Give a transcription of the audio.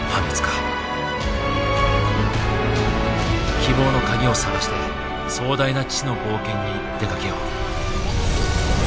希望の鍵を探して壮大な知の冒険に出かけよう。